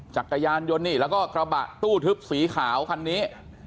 จักรยานยนต์นี่แล้วก็กระบะตู้ทึบสีขาวคันนี้